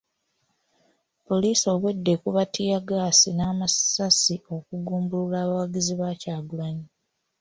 Poliisi obwedda ekuba ttiyaggaasi n'amasasi okugumbulula abawagizi ba Kyagulanyi.